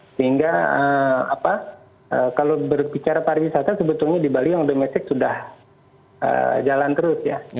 sehingga kalau berbicara pariwisata sebetulnya di bali yang domestik sudah jalan terus ya